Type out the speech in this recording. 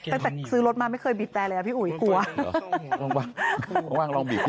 ตั้งแต่ซื้อรถมาไม่เคยบีบแปรเล่าเชียว